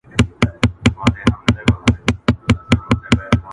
د ویالو په رکم یې ولیدل سیندونه,